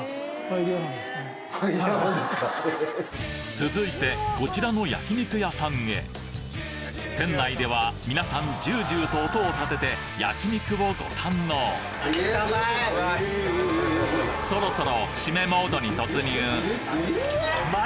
続いてこちらの焼き肉屋さんへ店内では皆さんジュージューと音を立てて焼き肉をご堪能そろそろシメモードに突入！